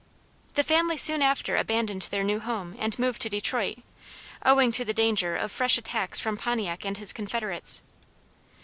The family soon after abandoned their new home and moved to Detroit, owing to the danger of fresh attacks from Pontiac and his confederates.